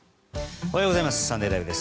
おはようございます。